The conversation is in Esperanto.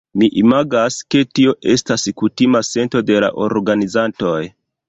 Mi imagas, ke tio estas kutima sento de la organizantoj.